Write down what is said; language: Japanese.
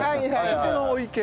あそこのお池